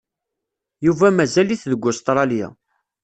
Yuba mazal-it deg Ustṛalya.